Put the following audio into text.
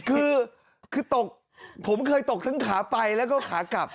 คือตกผมเคยตกทั้งขาไปแล้วก็ขากลับ